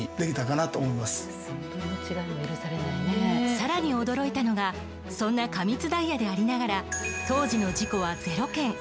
さらに驚いたのがそんな過密ダイヤでありながら当時の事故は０件。